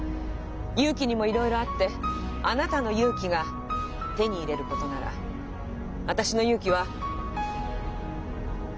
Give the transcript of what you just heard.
勇気にもいろいろあってあなたの勇気が「手に入れること」なら私の勇気は。